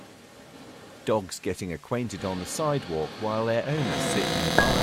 Dogs getting acquainted on the sidewalk while their owners sit nearby